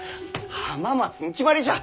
浜松に決まりじゃ！